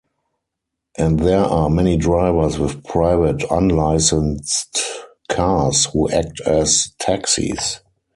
And there are many drivers with private unlicensed cars who act as taxis.